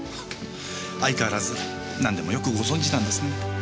相変わらずなんでもよくご存じなんですね。